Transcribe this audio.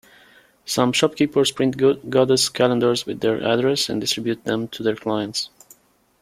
Some shopkeepers print goddess calendars with their address, and distribute them to their clients.